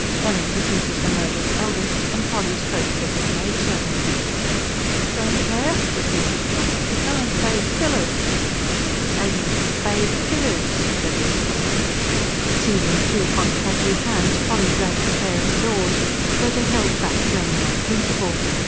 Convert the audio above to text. Ellen was Mrs. Hemmerde's eldest, and Polly's first regular maidservant. "Don' care," repeated Johnny. "Ellen plays pillers." "Edn pays pidders," said the echo. Seizing two hot, pudgy hands Polly dragged the pair indoors though they held back mainly on principle.